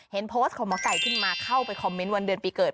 เห็นโพสต์ของหมอไก่ขึ้นมาเข้าไปคอมเมนต์วันเดือนปีเกิด